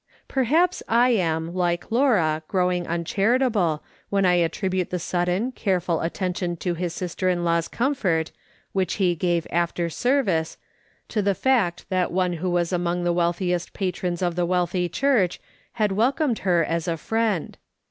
Perhaps I am, like Laura, growing uncharitable,, w^hen I attribute the sudden, careful attention to his sister in law's comfort, which he gave afcer service, t24 J^^S. SOLOMO.V SMITH LOOK INC ON. to the fact that one M'ho was among the wealthiest patrons of the wealthy church had welcomed her as a friend.